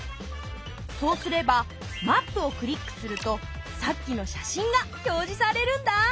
そうすればマップをクリックするとさっきの写真が表示されるんだ。